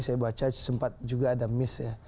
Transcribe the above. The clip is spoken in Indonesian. saya baca sempat juga ada miss ya